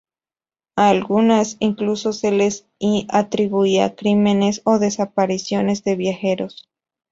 A algunas, incluso, se les atribuían crímenes o desapariciones de viajeros.